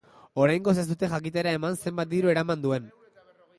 Oraingoz ez dute jakitera eman zenbat diru eraman duen.